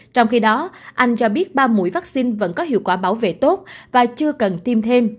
trong khi đó anh cho biết ba mũi vaccine vẫn có hiệu quả bảo vệ tốt và chưa cần tiêm thêm